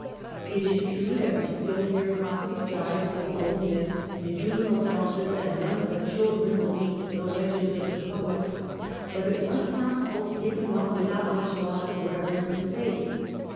It is true that we still hear caustic jibes at the old myths, and Juvenal tells us that none but children believed the legends of the poets ; but it was possible to give them up without much loss gends^mfght of reverence and faith.